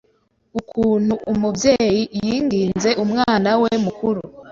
ukuntu umubyeyi yinginze umwana we mukuru